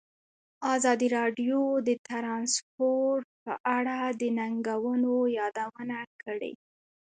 ازادي راډیو د ترانسپورټ په اړه د ننګونو یادونه کړې.